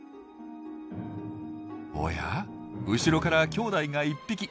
おや後ろからきょうだいが１匹。